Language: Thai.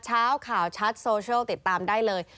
เช้าข่าวชัดโซเชียลติดตามได้เลย